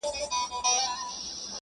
كه دي زما ديدن ياديږي ـ